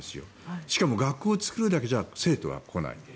しかも、学校を作るだけじゃ生徒は来ない。